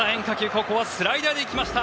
ここはスライダーでいきました！